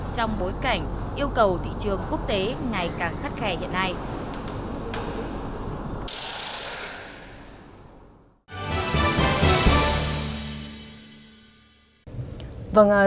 trong bối cảnh yêu cầu thị trường quốc tế ngày càng khắt khe hiện nay